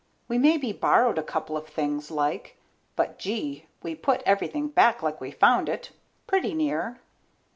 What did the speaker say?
We maybe borrowed a couple of things, like. But, gee, we put everything back like we found it, pretty near.